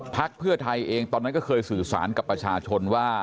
เพื่อไทยเองตอนนั้นก็เคยสื่อสารกับประชาชนว่า